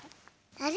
あれ？